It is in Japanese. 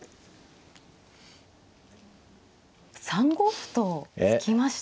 ３五歩と突きました。